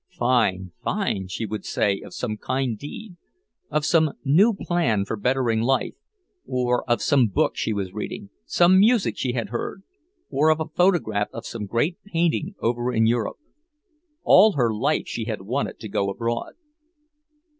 "Fine, fine!" she would say of some kind deed, of some new plan for bettering life, or of some book she was reading, some music she had heard, or of a photograph of some great painting over in Europe. All her life she had wanted to go abroad.